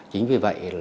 chính vì vậy